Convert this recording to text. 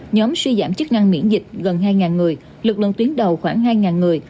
nhóm suy giảm chức năng miễn dịch gần hai người lực lượng tuyến đầu khoảng hai người